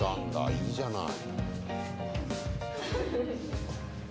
いいじゃない。